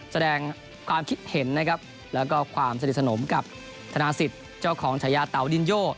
แสดงความคิดเห็นนะครับแล้วก็ความสนิทสนมกับธนาศิษย์เจ้าของฉายาเตาดินโย